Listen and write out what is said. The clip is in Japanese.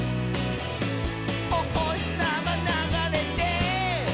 「おほしさまながれて」